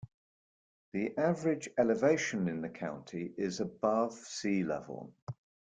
The average elevation in the county is above sea level.